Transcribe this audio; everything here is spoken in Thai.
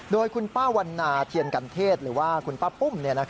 โดยคุณป้าวันนาเทียนกันเทศหรือว่าคุณป้าปุ้ม